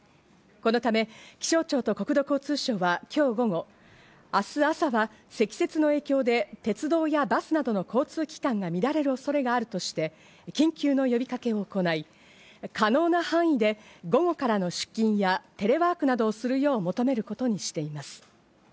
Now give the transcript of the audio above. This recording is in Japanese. このため気象庁と国土交通省は今日午後、明日朝は、積雪の影響で鉄道やバスなどの交通機関が乱れる恐れがあるとして、緊急の呼びかけを行い、可能な範囲で午後からの出勤やテレワークなどをするよう求めることにしています。